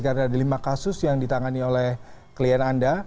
karena ada lima kasus yang ditangani oleh klien anda